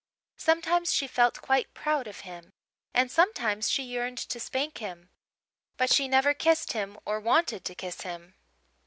Sometimes she felt quite proud of him; and sometimes she yearned to spank him. But she never kissed him or wanted to kiss him.